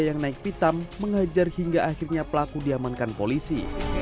yang naik pitam menghajar hingga akhirnya pelaku diamankan polisi